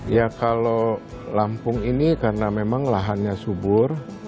ya kalau lampung ini karena memang lahannya subur